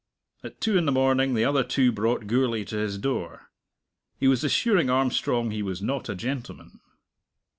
At two in the morning the other two brought Gourlay to his door. He was assuring Armstrong he was not a gentleman.